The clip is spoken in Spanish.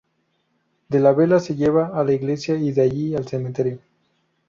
De la vela se lleva a la iglesia y de allí al cementerio.